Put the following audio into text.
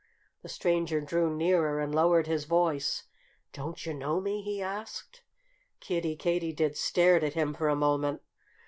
The stranger drew nearer and lowered his voice. "Don't you know me?" he asked. Kiddie Katydid stared at him for a moment.